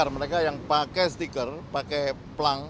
pertanyaan dari aturan